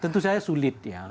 tentu saya sulit ya